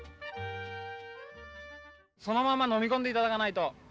そのまま飲み込んでいただかないと。